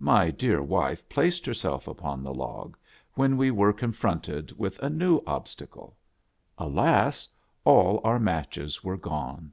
My dear wife placed herself upon the log, when we were confronted with a new obstacle. Alas ! all our matches were gone.